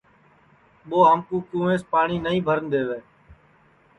ٻو ہمکُو کُونٚویس پاٹؔی نائی بھرن دے وے